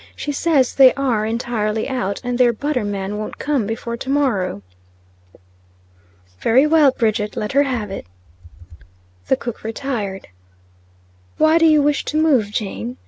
She says, they are entirely out, and their butter man won't come before to morrow." "Very well, Bridget, let her have it." The cook retired. "Why do you wish to move, Jane?"